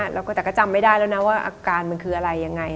แต่ก็จำไม่ได้แล้วนะว่าอาการมันคืออะไรอย่างไร